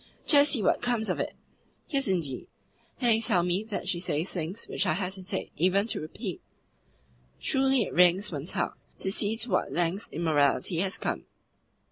Just see what comes of it!" "Yes, indeed! And they tell me that she says things which I hesitate even to repeat." "Truly it wrings one's heart to see to what lengths immorality has come."